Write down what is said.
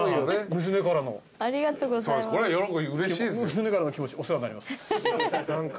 娘からの気持ちお世話になります。